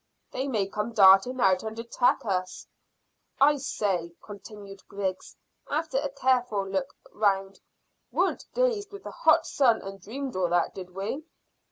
"They may come darting out and attack us." "I say," continued Griggs, after a careful look round, "weren't dazed with the hot sun and dreamed all that, did we?"